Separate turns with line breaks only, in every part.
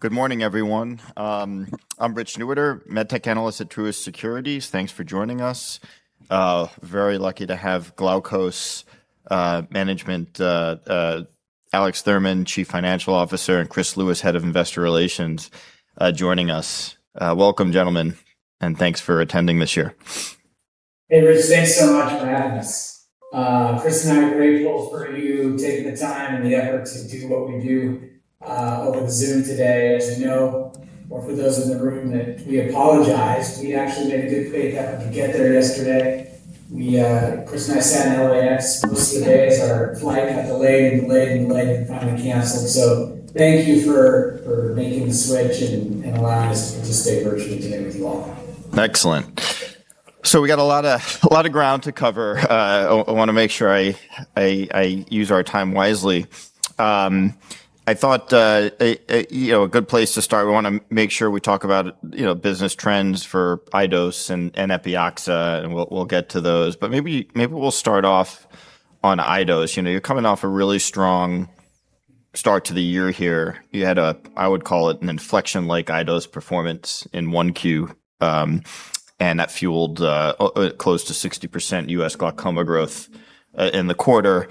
Good morning, everyone. I'm Richard Newitter, medtech analyst at Truist Securities. Thanks for joining us. Very lucky to have Glaukos management, Alex Thurman, Chief Financial Officer, and Chris Lewis, Head of Investor Relations, joining us. Welcome, gentlemen, and thanks for attending this year.
Hey, Rich. Thanks much for having us. Chris and I are grateful for you taking the time and the effort to do what we do over the Zoom today. As you know, or for those in the room, that we apologize, we actually made a good-faith effort to get there yesterday. Chris and I sat in LAX most of the day as our flight got delayed, and finally canceled. Thank you for making the switch and allowing us to stay virtual today with you all.
Excellent. We got a lot of ground to cover. I want to make sure I use our time wisely. I thought a good place to start, we want to make sure we talk about business trends for iDose and Epioxa, we'll get to those. Maybe we'll start off on iDose. You're coming off a really strong start to the year here. You had a, I would call it, an inflection-like iDose performance in 1Q, and that fueled close to 60% U.S. glaucoma growth, in the quarter.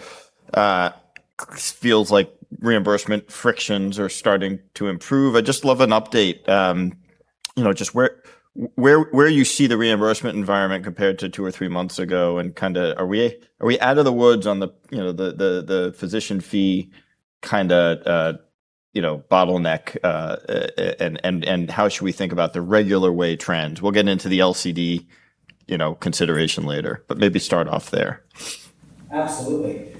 Feels like reimbursement frictions are starting to improve. I'd just love an update, just where you see the reimbursement environment compared to two or three months ago, and are we out of the woods on the physician fee bottleneck, and how should we think about the regular way trends? We'll get into the LCD consideration later, maybe start off there.
Absolutely.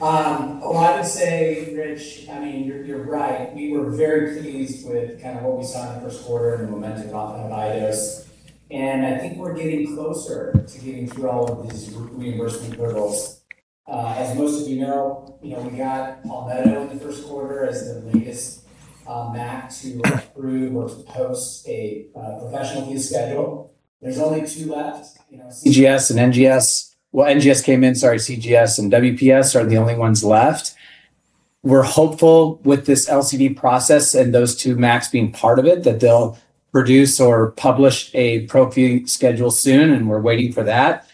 Well, I would say, Rich, you're right. We were very pleased with what we saw in the first quarter and the momentum off of iDose, and I think we're getting closer to getting through all of these reimbursement hurdles. As most of you know, we got Palmetto in the first quarter as the latest MAC to approve or to post a professional fee schedule. There's only two left, CGS and NGS. NGS came in, sorry, CGS and WPS are the only ones left. We're hopeful with this LCD process and those two MACs being part of it, that they'll produce or publish a pro fee schedule soon, and we're waiting for that.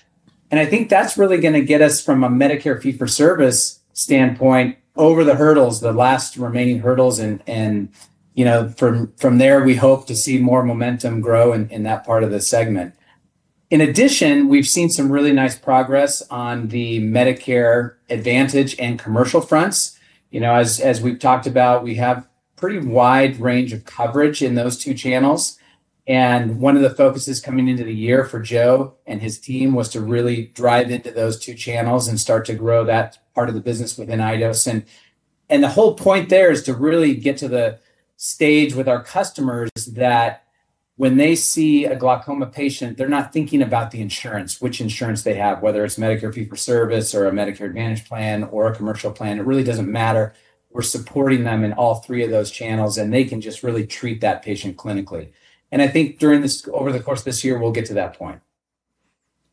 I think that's really going to get us from a Medicare fee-for-service standpoint over the hurdles, the last remaining hurdles, and from there, we hope to see more momentum grow in that part of the segment. In addition, we've seen some really nice progress on the Medicare Advantage and commercial fronts. As we've talked about, we have pretty wide range of coverage in those two channels, and one of the focuses coming into the year for Joe and his team was to really drive into those two channels and start to grow that part of the business within iDose. The whole point there is to really get to the stage with our customers that when they see a glaucoma patient, they're not thinking about the insurance, which insurance they have, whether it's Medicare fee-for-service or a Medicare Advantage plan or a commercial plan. It really doesn't matter. We're supporting them in all three of those channels, and they can just really treat that patient clinically. I think over the course of this year, we'll get to that point.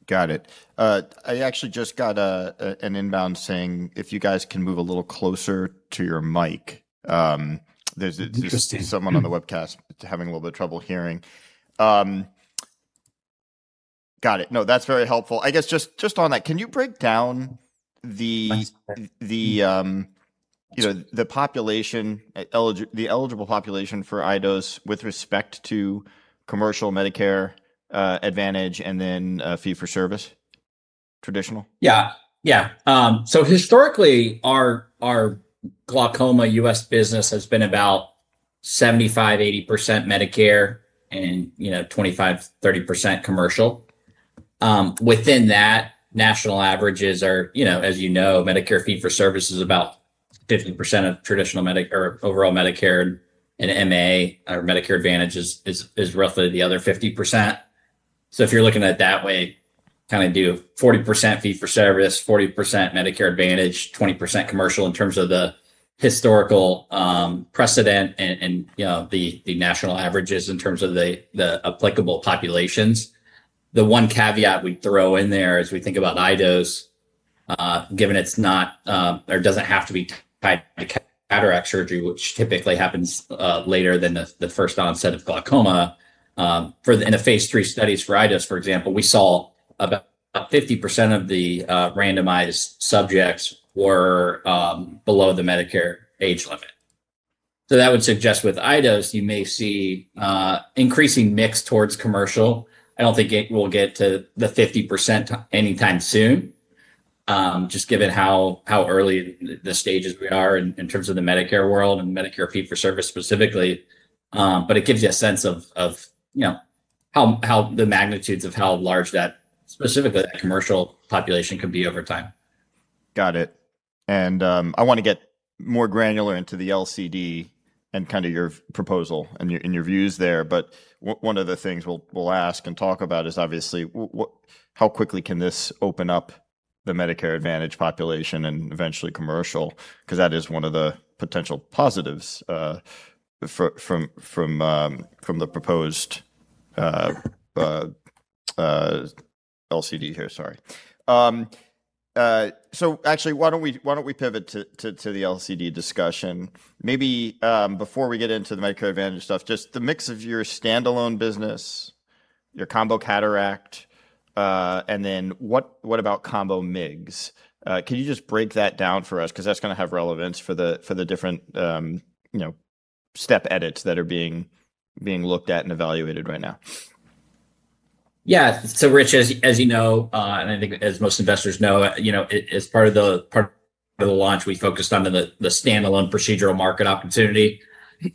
Got it. I actually just got an inbound saying if you guys can move a little closer to your mic.
Interesting.
There's someone on the webcast having a little bit of trouble hearing. Got it. That's very helpful. I guess, just on that, can you break down the
Yes
the eligible population for iDose with respect to commercial Medicare Advantage and then fee-for-service traditional?
Yeah. Historically, our glaucoma U.S. business has been about 75%-80% Medicare and 25%-30% commercial. Within that, national averages are, as you know, Medicare fee-for-service is about 50% of traditional Medicare or overall Medicare and MA or Medicare Advantage is roughly the other 50%. If you're looking at it that way, do 40% fee-for-service, 40% Medicare Advantage, 20% commercial in terms of the historical precedent and the national averages in terms of the applicable populations. The one caveat we'd throw in there, as we think about iDose, given it's not or doesn't have to be tied to cataract surgery, which typically happens later than the first onset of glaucoma. In the phase III studies for iDose, for example, we saw about 50% of the randomized subjects were below the Medicare age limit. That would suggest with iDose, you may see increasing mix towards commercial. I don't think it will get to the 50% anytime soon, just given how early the stages we are in terms of the Medicare world and Medicare fee-for-service specifically. It gives you a sense of how the magnitudes of how large that, specifically that commercial population could be over time.
Got it. I want to get more granular into the LCD and your proposal and your views there. One of the things we will ask and talk about is obviously how quickly can this open up the Medicare Advantage population and eventually commercial, because that is one of the potential positives from the proposed LCD here, sorry. Actually, why don't we pivot to the LCD discussion. Maybe before we get into the Medicare Advantage stuff, just the mix of your standalone business, your combo cataract, and then what about combo MIGS? Can you just break that down for us? Because that's going to have relevance for the different step edits that are being looked at and evaluated right now.
Yeah. Rich, as you know, and I think as most investors know, as part of the launch, we focused on the standalone procedural market opportunity.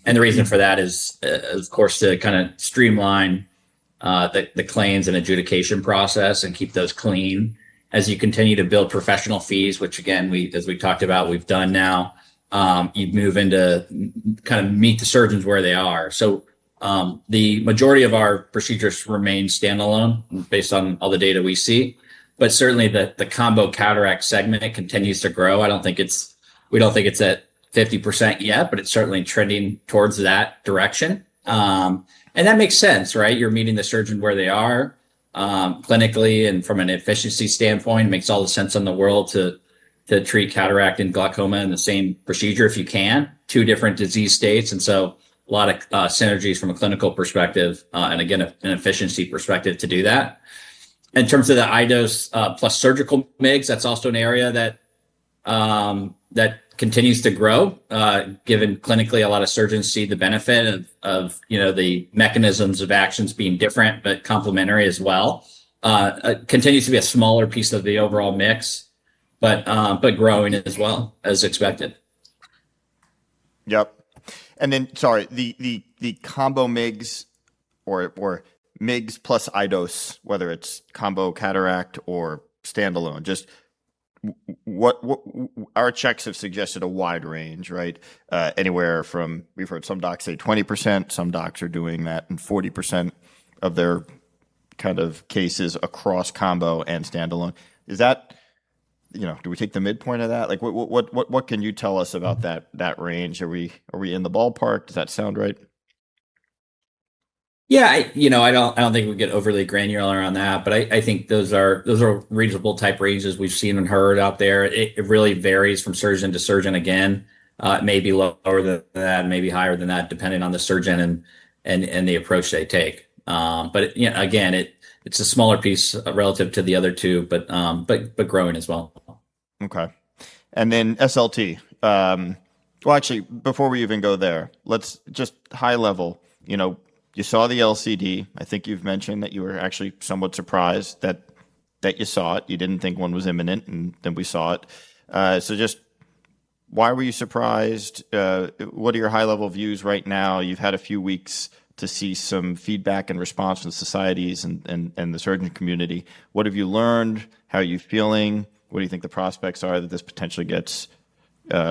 The reason for that is, of course, to streamline the claims and adjudication process and keep those clean as you continue to build professional fees, which again, as we've talked about, we've done now. You move into meet the surgeons where they are. The majority of our procedures remain standalone based on all the data we see. Certainly, the combo cataract segment continues to grow. We don't think it's at 50% yet, but it's certainly trending towards that direction. That makes sense. You're meeting the surgeon where they are clinically and from an efficiency standpoint, makes all the sense in the world to treat cataract and glaucoma in the same procedure if you can. Two different disease states, a lot of synergies from a clinical perspective, and again, an efficiency perspective to do that. In terms of the iDose plus surgical MIGS, that's also an area that continues to grow given clinically a lot of surgeons see the benefit of the mechanisms of actions being different, but complementary as well. Continues to be a smaller piece of the overall mix, but growing as well, as expected.
Yep. Then, sorry, the combo MIGS or MIGS plus iDose, whether it's combo cataract or standalone, our checks have suggested a wide range. Anywhere from, we've heard some docs say 20%, some docs are doing that in 40% of their cases across combo and standalone. Do we take the midpoint of that? What can you tell us about that range? Are we in the ballpark? Does that sound right?
Yeah. I don't think we get overly granular on that, but I think those are reasonable type ranges we've seen and heard out there. It really varies from surgeon to surgeon, again. It may be lower than that, maybe higher than that, depending on the surgeon and the approach they take. Again, it's a smaller piece relative to the other two, but growing as well.
Okay. Then SLT. Well, actually, before we even go there, let's just high level. You saw the LCD. I think you've mentioned that you were actually somewhat surprised that you saw it. You didn't think one was imminent, then we saw it. Just why were you surprised? What are your high-level views right now? You've had a few weeks to see some feedback and response from societies and the surgeon community. What have you learned? How are you feeling? What do you think the prospects are that this potentially gets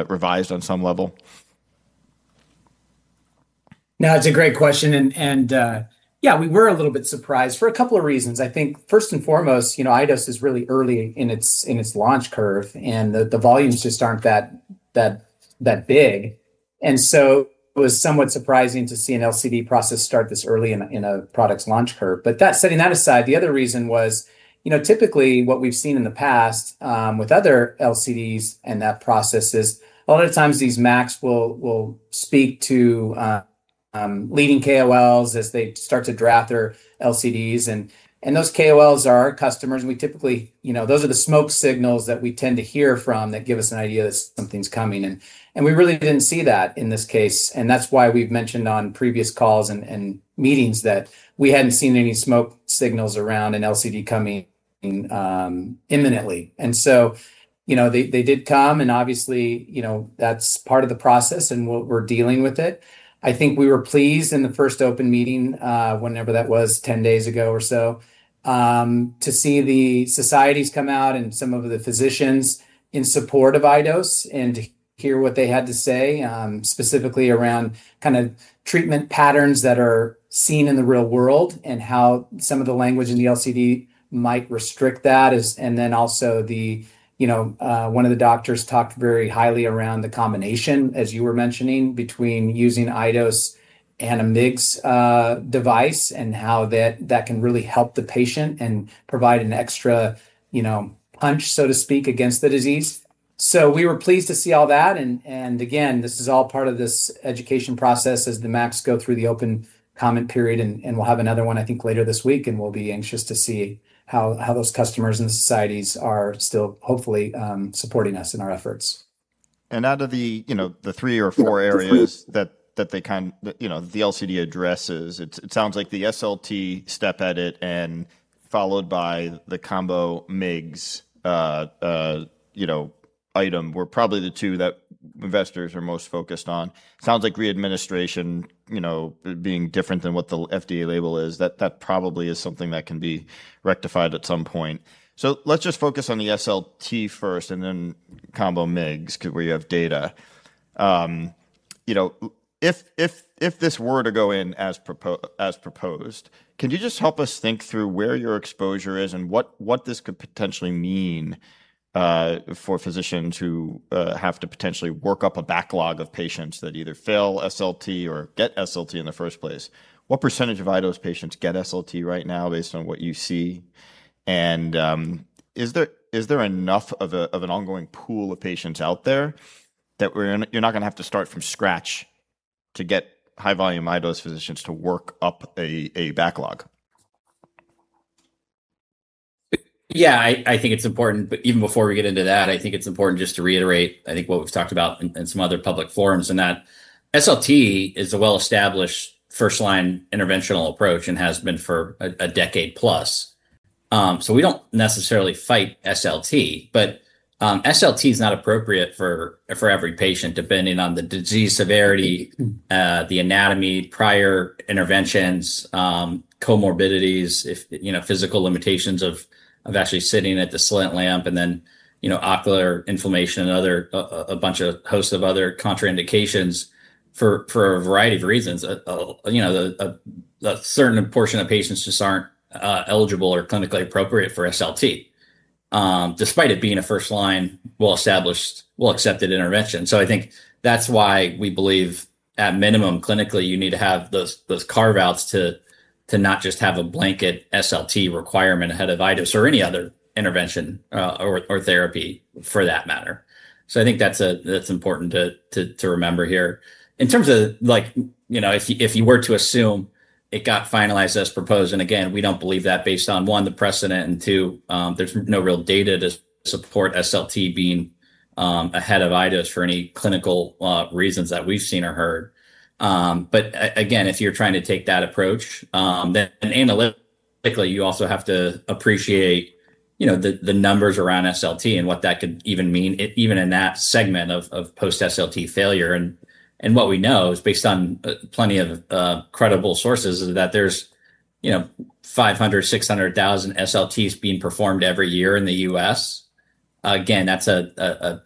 revised on some level?
No, it's a great question. Yeah, we were a little bit surprised for a couple of reasons. I think first and foremost, iDose is really early in its launch curve, and the volumes just aren't that big. So it was somewhat surprising to see an LCD process start this early in a product's launch curve. Setting that aside, the other reason was, typically, what we've seen in the past with other LCDs and that process is a lot of times these MACs will speak to leading KOLs as they start to draft their LCDs, and those KOLs are our customers. Those are the smoke signals that we tend to hear from that give us an idea that something's coming. We really didn't see that in this case. That's why we've mentioned on previous calls and meetings that we hadn't seen any smoke signals around an LCD coming imminently. So they did come, and obviously, that's part of the process and we're dealing with it. I think we were pleased in the first open meeting, whenever that was, 10 days ago or so, to see the societies come out and some of the physicians in support of iDose and to hear what they had to say, specifically around treatment patterns that are seen in the real world and how some of the language in the LCD might restrict that. Also one of the doctors talked very highly around the combination, as you were mentioning, between using iDose and a MIGS device and how that can really help the patient and provide an extra punch, so to speak, against the disease. We were pleased to see all that. Again, this is all part of this education process as the MACs go through the open comment period. We'll have another one, I think, later this week, and we'll be anxious to see how those customers and societies are still hopefully supporting us in our efforts.
Out of the three or four areas that the LCD addresses, it sounds like the SLT step edit and followed by the combo MIGS item were probably the two that investors are most focused on. Sounds like re-administration being different than what the FDA label is, that probably is something that can be rectified at some point. Let's just focus on the SLT first and then combo MIGS because we have data. If this were to go in as proposed, can you just help us think through where your exposure is and what this could potentially mean for physicians who have to potentially work up a backlog of patients that either fail SLT or get SLT in the first place. What percentage of iDose patients get SLT right now based on what you see? Is there enough of an ongoing pool of patients out there that you're not going to have to start from scratch to get high-volume iDose physicians to work up a backlog?
Yeah. I think it's important, but even before we get into that, I think it's important just to reiterate, I think what we've talked about in some other public forums, and that SLT is a well-established first-line interventional approach and has been for a decade plus. We don't necessarily fight SLT, but SLT is not appropriate for every patient, depending on the disease severity, the anatomy, prior interventions, comorbidities, physical limitations of actually sitting at the slit lamp, and then ocular inflammation and a bunch of host of other contraindications for a variety of reasons. A certain portion of patients just aren't eligible or clinically appropriate for SLT, despite it being a first-line, well-established, well-accepted intervention. I think that's why we believe at minimum, clinically, you need to have those carve-outs to not just have a blanket SLT requirement ahead of iDose or any other intervention or therapy for that matter. I think that's important to remember here. In terms of if you were to assume it got finalized as proposed, again, we don't believe that based on, one, the precedent, and two, there's no real data to support SLT being ahead of iDose for any clinical reasons that we've seen or heard. Again, if you're trying to take that approach, then analytically, you also have to appreciate the numbers around SLT and what that could even mean, even in that segment of post-SLT failure. What we know is based on plenty of credible sources, is that there's 500,000, 600,000 SLTs being performed every year in the U.S. Again, that's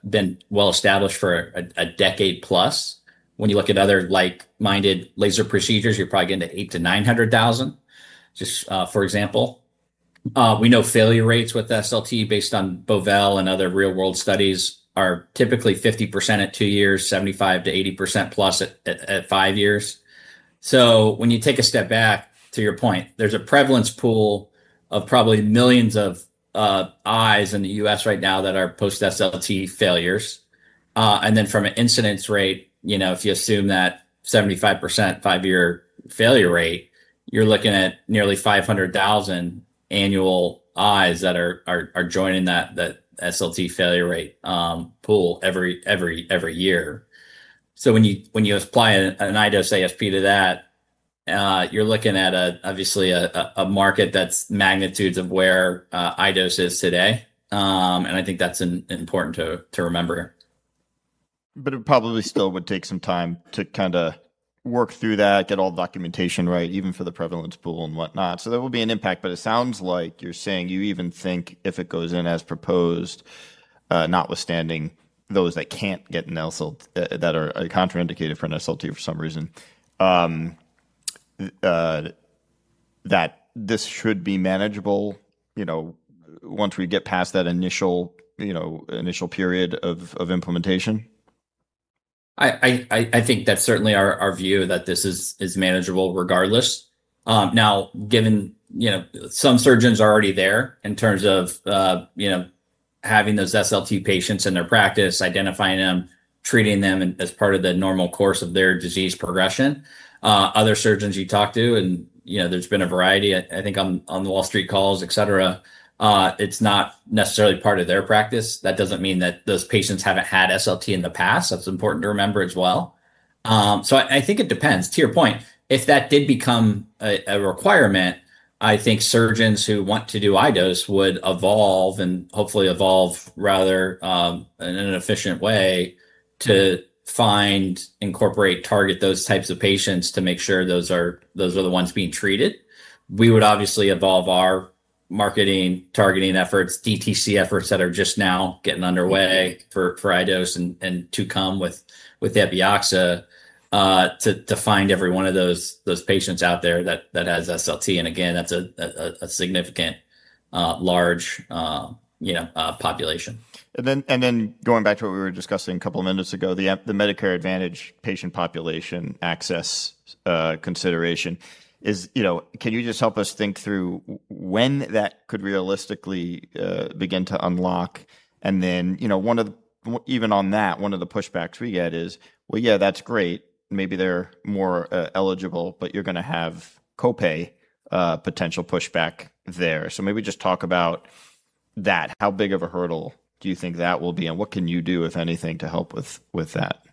been well-established for a decade plus. When you look at other like-minded laser procedures, you're probably getting to 800,000-900,000, just for example. We know failure rates with SLT based on Bovell and other real-world studies are typically 50% at two years, 75%-80% plus at five years. When you take a step back to your point, there's a prevalence pool of probably millions of eyes in the U.S. right now that are post-SLT failures. From an incidence rate, if you assume that 75% five-year failure rate, you're looking at nearly 500,000 annual eyes that are joining that SLT failure rate pool every year. When you apply an iDose ASP to that, you're looking at obviously a market that's magnitudes of where iDose is today. I think that's important to remember.
It probably still would take some time to kind of work through that, get all the documentation right, even for the prevalence pool and whatnot. There will be an impact, but it sounds like you're saying you even think if it goes in as proposed, notwithstanding those that can't get an SLT, that are contraindicated for an SLT for some reason, that this should be manageable once we get past that initial period of implementation.
I think that's certainly our view, that this is manageable regardless. Given some surgeons are already there in terms of having those SLT patients in their practice, identifying them, treating them as part of the normal course of their disease progression. Other surgeons you talk to, and there's been a variety, I think on the Wall Street calls, et cetera. It's not necessarily part of their practice. That doesn't mean that those patients haven't had SLT in the past. That's important to remember as well. I think it depends. To your point, if that did become a requirement, I think surgeons who want to do iDose would evolve and hopefully evolve rather in an efficient way to find, incorporate, target those types of patients to make sure those are the ones being treated. We would obviously evolve our marketing, targeting efforts, DTC efforts that are just now getting underway for iDose and to come with Epioxa to find every one of those patients out there that has SLT. Again, that's a significant large population.
Going back to what we were discussing a couple of minutes ago, the Medicare Advantage patient population access consideration is, can you just help us think through when that could realistically begin to unlock? Even on that, one of the pushbacks we get is, well, yeah, that's great. Maybe they're more eligible, but you're going to have copay potential pushback there. Maybe just talk about that. How big of a hurdle do you think that will be, and what can you do, if anything, to help with that?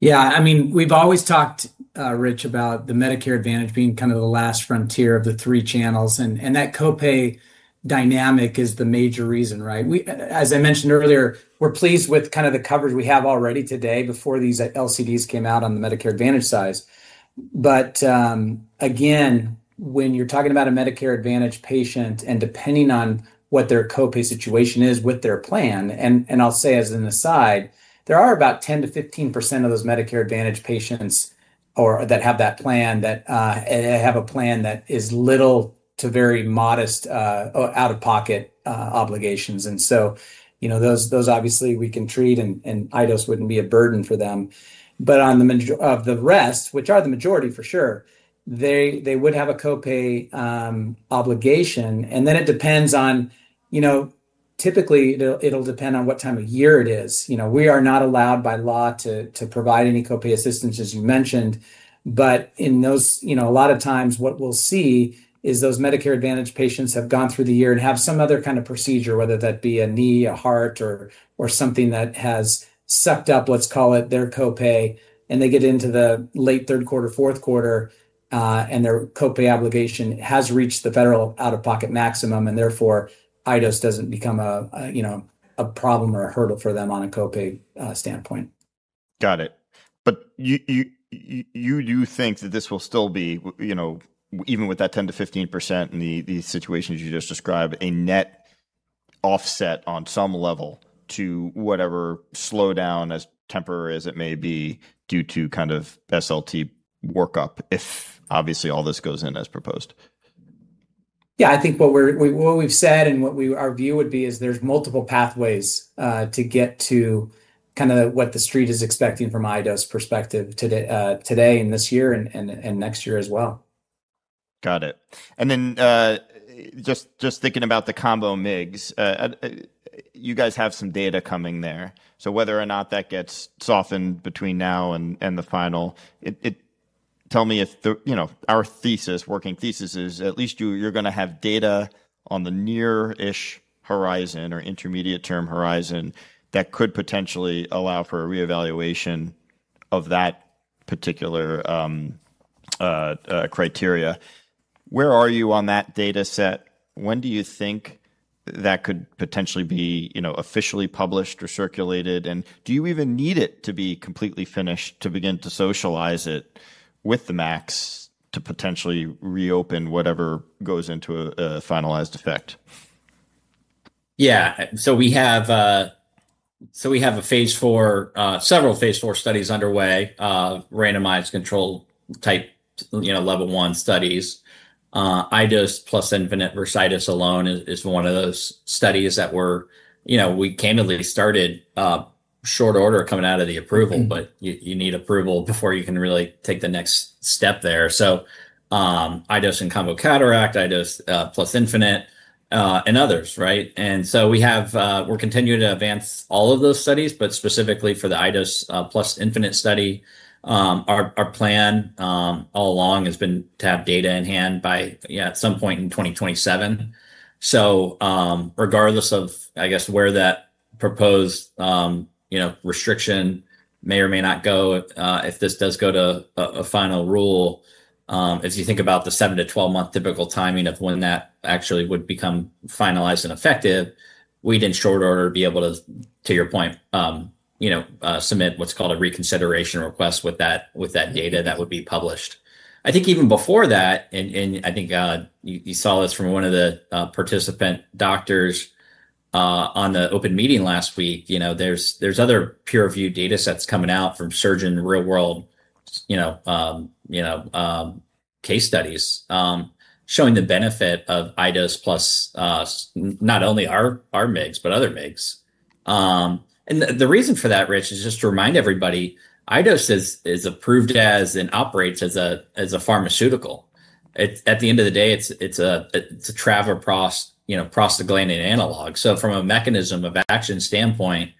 Yeah. We've always talked, Rich, about the Medicare Advantage being kind of the last frontier of the three channels, and that copay dynamic is the major reason, right? As I mentioned earlier, we're pleased with kind of the coverage we have already today before these LCDs came out on the Medicare Advantage size. Again, when you're talking about a Medicare Advantage patient and depending on what their copay situation is with their plan, I'll say as an aside, there are about 10%-15% of those Medicare Advantage patients or that have that plan, that have a plan that is little to very modest out-of-pocket obligations. Those obviously we can treat and iDose wouldn't be a burden for them. Of the rest, which are the majority for sure, they would have a copay obligation. Typically, it'll depend on what time of year it is. We are not allowed by law to provide any copay assistance, as you mentioned. A lot of times what we'll see is those Medicare Advantage patients have gone through the year and have some other kind of procedure, whether that be a knee, a heart, or something that has sucked up, let's call it, their copay, and they get into the late third quarter, fourth quarter, and their copay obligation has reached the federal out-of-pocket maximum, and therefore, iDose doesn't become a problem or a hurdle for them on a copay standpoint.
Got it. You think that this will still be, even with that 10%-15% and the situations you just described, a net offset on some level to whatever slowdown, as temporary as it may be, due to kind of SLT workup, if obviously all this goes in as proposed.
Yeah. I think what we've said and what our view would be is there's multiple pathways to get to what the Street is expecting from iDose perspective today and this year and next year as well.
Got it. Just thinking about the combo MIGS, you guys have some data coming there. Whether or not that gets softened between now and the final, tell me if our working thesis is at least you're going to have data on the near-ish horizon or intermediate term horizon that could potentially allow for a reevaluation of that particular criteria. Where are you on that data set? When do you think that could potentially be officially published or circulated, and do you even need it to be completely finished to begin to socialize it with the MACs to potentially reopen whatever goes into a finalized effect?
Yeah. We have several phase IV studies underway, randomized control type, level one studies. iDose plus Infinite versus iDose alone is one of those studies that we candidly started short order coming out of the approval. You need approval before you can really take the next step there. iDose and combo cataract, iDose plus Infinite, and others. We're continuing to advance all of those studies, but specifically for the iDose plus Infinite study, our plan all along has been to have data in hand by at some point in 2027. Regardless of, I guess, where that proposed restriction may or may not go, if this does go to a final rule, if you think about the 7 to 12-month typical timing of when that actually would become finalized and effective, we'd, in short order, be able to your point, submit what's called a reconsideration request with that data that would be published. I think even before that, and I think you saw this from one of the participant doctors on the open meeting last week, there's other peer-reviewed data sets coming out from surgeon real world case studies showing the benefit of iDose plus not only our MIGS, but other MIGS. The reason for that, Rich, is just to remind everybody, iDose is approved as and operates as a pharmaceutical. At the end of the day, it's a travoprost prostaglandin analog. From a mechanism-of-action standpoint,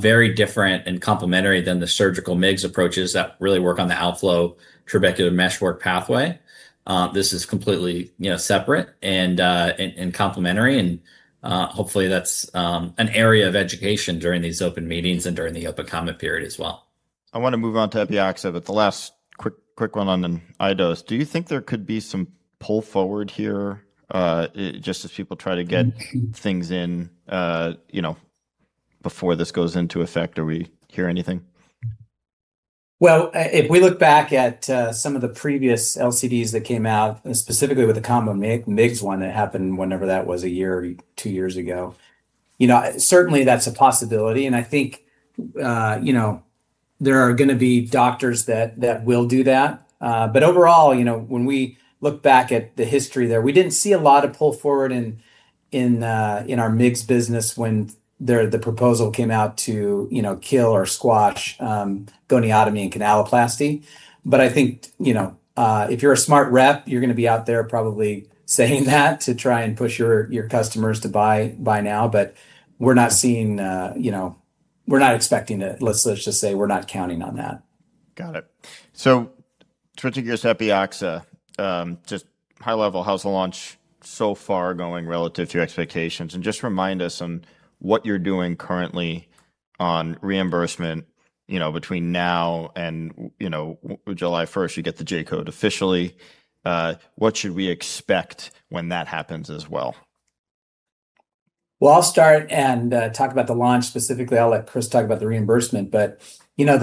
very different and complementary than the surgical MIGS approaches that really work on the outflow trabecular meshwork pathway. This is completely separate and complementary and, hopefully, that's an area of education during these open meetings and during the open comment period as well.
I want to move on to Epioxa, the last quick one on iDose. Do you think there could be some pull forward here, just as people try to get things in before this goes into effect? Are we hearing anything?
Well, if we look back at some of the previous LCDs that came out, specifically with the combo MIGS one that happened whenever that was, a year or two years ago, certainly that's a possibility, and I think there are going to be doctors that will do that. Overall, when we look back at the history there, we didn't see a lot of pull forward in our MIGS business when the proposal came out to kill or squash goniotomy and canaloplasty. I think, if you're a smart rep, you're going to be out there probably saying that to try and push your customers to buy now. We're not expecting it. Let's just say we're not counting on that.
Got it. Switching gears to Epioxa, just high level, how's the launch so far going relative to your expectations? Just remind us on what you're doing currently on reimbursement between now and July 1st, you get the J-code officially. What should we expect when that happens as well?
Well, I'll start and talk about the launch specifically. I'll let Chris talk about the reimbursement. The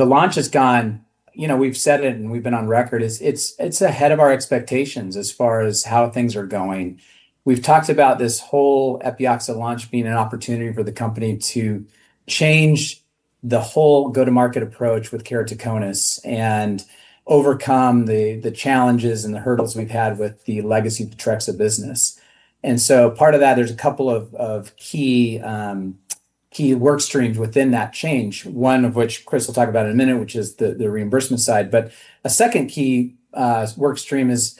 launch has gone, we've said it and we've been on record, it's ahead of our expectations as far as how things are going. We've talked about this whole Epioxa launch being an opportunity for the company to change the whole go-to-market approach with keratoconus and overcome the challenges and the hurdles we've had with the legacy Photrexa business. Part of that, there's a couple of key work streams within that change, one of which Chris will talk about in a minute, which is the reimbursement side. A second key work stream is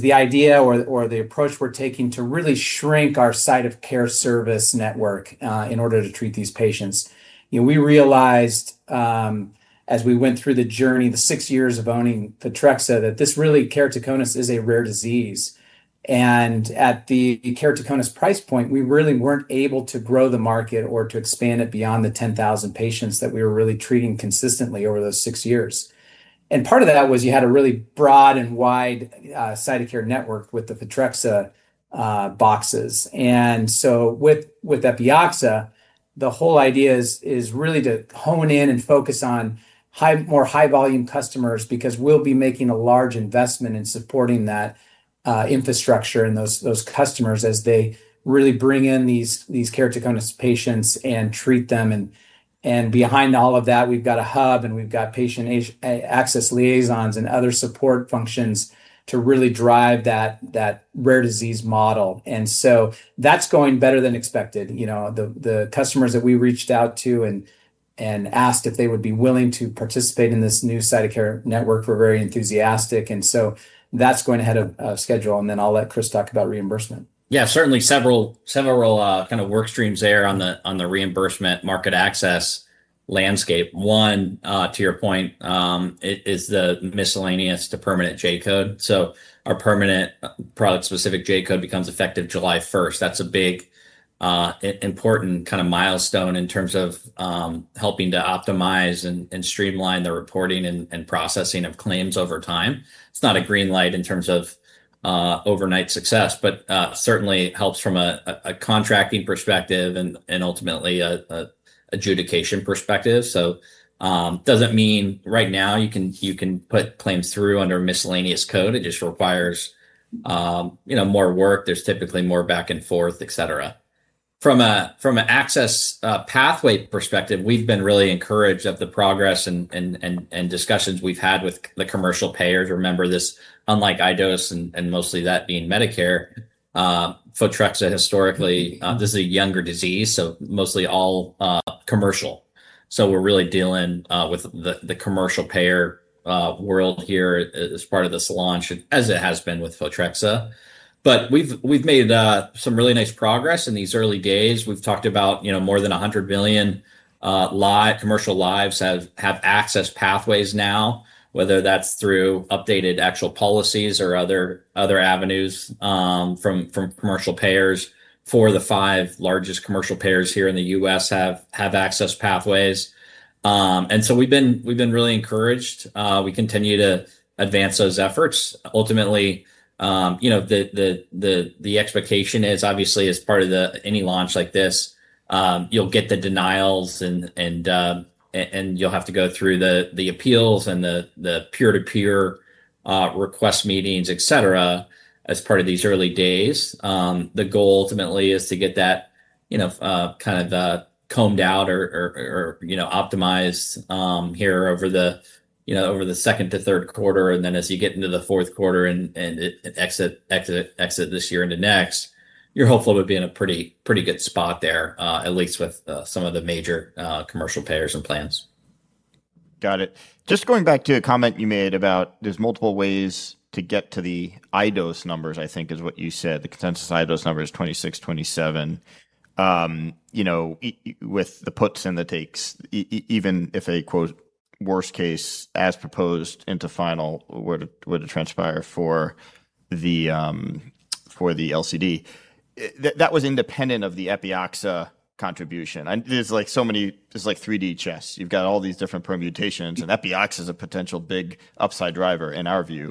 the idea or the approach we're taking to really shrink our site of care service network in order to treat these patients. We realized as we went through the journey, the six years of owning Photrexa, that this really, keratoconus is a rare disease. At the keratoconus price point, we really weren't able to grow the market or to expand it beyond the 10,000 patients that we were really treating consistently over those six years. Part of that was you had a really broad and wide site of care network with the Photrexa boxes. With Epioxa, the whole idea is really to hone in and focus on more high-volume customers, because we'll be making a large investment in supporting that infrastructure and those customers as they really bring in these keratoconus patients and treat them. Behind all of that, we've got a hub, and we've got patient access liaisons and other support functions to really drive that rare disease model. That's going better than expected. The customers that we reached out to and asked if they would be willing to participate in this new site of care network were very enthusiastic. That's going ahead of schedule, then I'll let Chris talk about reimbursement.
Certainly several kind of work streams there on the reimbursement market access landscape. One, to your point, is the miscellaneous to permanent J-code. Our permanent product-specific J-code becomes effective July 1st. That's a big, important kind of milestone in terms of helping to optimize and streamline the reporting and processing of claims over time. It's not a green light in terms of overnight success, but certainly helps from a contracting perspective and ultimately, an adjudication perspective. It doesn't mean right now you can put claims through under miscellaneous code. It just requires more work. There's typically more back and forth, et cetera. From an access pathway perspective, we've been really encouraged of the progress and discussions we've had with the commercial payers. Remember this, unlike iDose and mostly that being Medicare, Photrexa historically, this is a younger disease, mostly all commercial. We're really dealing with the commercial payer world here as part of this launch, as it has been with Photrexa. We've made some really nice progress in these early days. We've talked about more than 100 million commercial lives have access pathways now, whether that's through updated actual policies or other avenues from commercial payers, four of the five largest commercial payers here in the U.S. have access pathways. We've been really encouraged. We continue to advance those efforts. Ultimately, the expectation is obviously as part of any launch like this, you'll get the denials and you'll have to go through the appeals and the peer-to-peer request meetings, et cetera, as part of these early days. The goal ultimately is to get that kind of the combed out or optimized here over the second to third quarter. As you get into the fourth quarter and exit this year into next, you're hopefully would be in a pretty good spot there, at least with some of the major commercial payers and plans.
Got it. Just going back to a comment you made about there's multiple ways to get to the iDose numbers, I think is what you said. The consensus iDose number is 2026, 2027. With the puts and the takes, even if a, quote, "worst case" as proposed into final were to transpire for the LCD, that was independent of the Epioxa contribution. There's so many, there's like 3D chess. You've got all these different permutations, and Epioxa's a potential big upside driver in our view.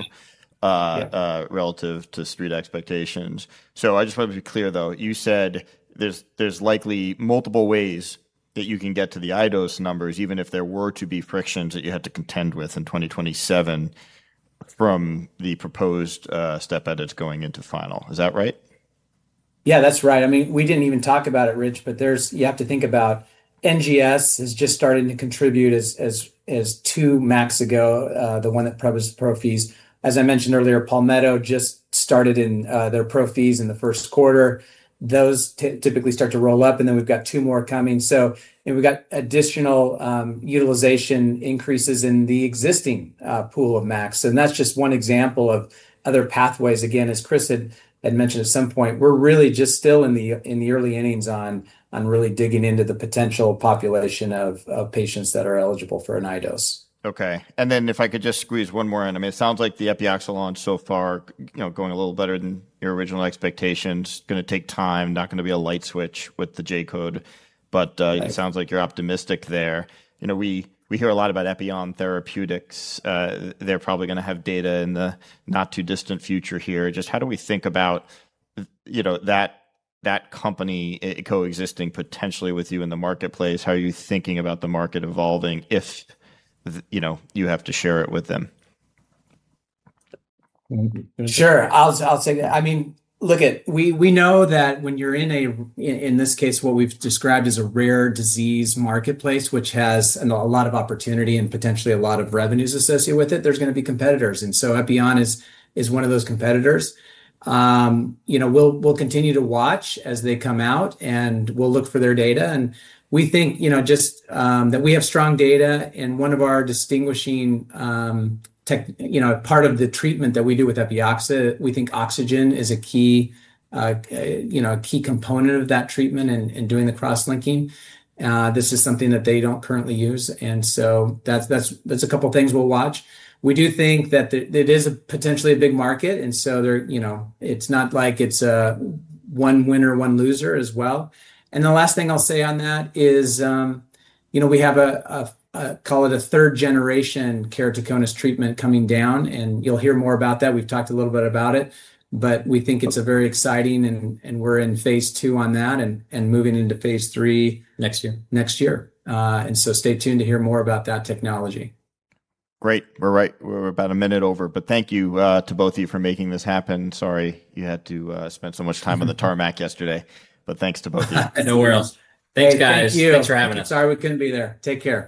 Yeah
Relative to street expectations. I just wanted to be clear, though. You said there's likely multiple ways that you can get to the iDose numbers, even if there were to be frictions that you had to contend with in 2027 from the proposed step edits going into final. Is that right?
Yeah. That's right. We didn't even talk about it, Rich, but you have to think about NGS is just starting to contribute as two MACs ago, the one that prepped as pro fees. As I mentioned earlier, Palmetto just started in their pro fees in the first quarter. Those typically start to roll up. We've got two more coming. We've got additional utilization increases in the existing pool of MACs. That's just one example of other pathways. Again, as Chris had mentioned at some point, we're really just still in the early innings on really digging into the potential population of patients that are eligible for an iDose.
Okay. If I could just squeeze one more in. It sounds like the Epioxa launch so far, going a little better than your original expectations. Going to take time, not going to be a light switch with the J-code.
Yeah.
It sounds like you're optimistic there. We hear a lot about Epion Therapeutics. They're probably going to have data in the not too distant future here. Just how do we think about that company coexisting potentially with you in the marketplace? How are you thinking about the market evolving if you have to share it with them?
You want me to take that?
Sure. I'll take that. Look it, we know that when you're in this case, what we've described as a rare disease marketplace, which has a lot of opportunity and potentially a lot of revenues associated with it, there's going to be competitors. Epion is one of those competitors. We'll continue to watch as they come out, and we'll look for their data. We think just that we have strong data, and one of our distinguishing part of the treatment that we do with Epioxa, we think oxygen is a key component of that treatment in doing the cross-linking. This is something that they don't currently use. That's a couple things we'll watch. We do think that it is potentially a big market, it's not like it's a one winner, one loser as well. The last thing I'll say on that is we have a, call it a Third-generation keratoconus treatment coming down, you'll hear more about that. We've talked a little bit about it. We think it's a very exciting, we're in phase II on that, and moving into phase III.
Next year.
Next year. Stay tuned to hear more about that technology.
Great. We're about a minute over. Thank you to both of you for making this happen. Sorry you had to spend so much time on the tarmac yesterday, but thanks to both of you.
No worries. Thanks, guys.
Hey, thank you.
Thanks for having us.
Sorry we couldn't be there. Take care.